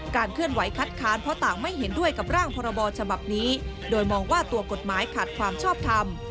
เคลื่อนไหวคัดค้านเพราะต่างไม่เห็นด้วยกับร่างพรบฉบับนี้โดยมองว่าตัวกฎหมายขาดความชอบทำ